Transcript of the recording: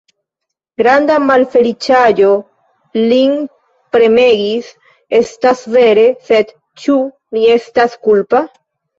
Granda malfeliĉaĵo lin premegis; estas vere: sed ĉu mi estas kulpa?